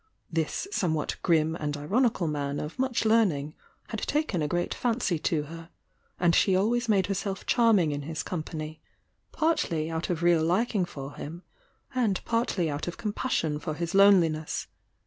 This somewhat grim and ironical man of much learning had taken a great fancy to her, and she always made herself charming in his company, partly out of real liking for him and partly out of compassion for his loneliness.